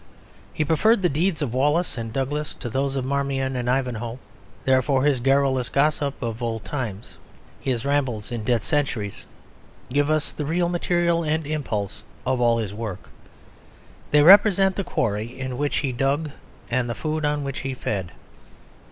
He preferred the deeds of Wallace and Douglas to those of Marmion and Ivanhoe. Therefore his garrulous gossip of old times, his rambles in dead centuries, give us the real material and impulse of all his work; they represent the quarry in which he dug and the food on which he fed.